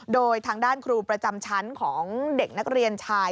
โดยทางด้านครูประจำชั้นของเด็กนักเรียนชาย